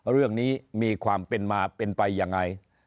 เรื่องนี้มีความเป็นมาเป็นไปยังไง